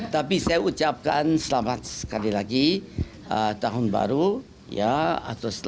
tapi saya ucapkan selamat sekali lagi tahun baru ya